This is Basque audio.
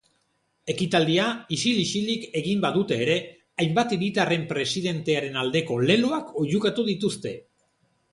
Ekitaldia isil-isilik egin badute ere, hainbat hiritarren presidentearen aldeko leloak oihukatu dituzte.